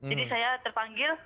jadi saya terpanggil